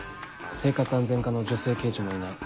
生活安全課の女性刑事もいない。